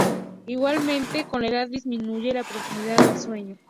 Igualmente, con la edad disminuye la profundidad del sueño.